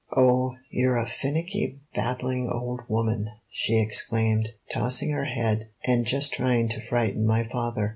"Oh, you're a finicky, babbling old woman," she exclaimed, tossing her head, "and just trying to frighten my father.